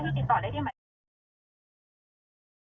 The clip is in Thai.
เขาจะให้ติดต่อได้ที่ไหม